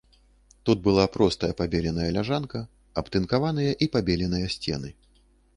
Тут была простая пабеленая ляжанка, абтынкаваныя і пабеленыя сцены.